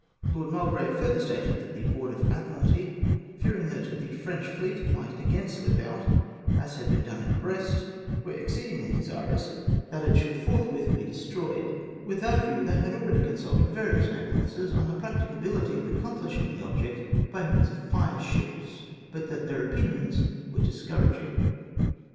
Lord Mulgrave further stated that the Board of Admii alty, fearing that " the French fleet might again slip out, as it had done at Brest, Avere extremely desirous that it sliould forth CONSULTED BY LORD MULGRAVE. 341 with be destroyed. With that view they had already consuhed various naval officers on the practicability of accomphshing the object by means of fire ships ; but that their opinions were discouraging."